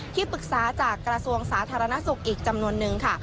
ที่ปรึกษาจากกระทรวงสาธารณสุขอีกจำนวนนึงค่ะ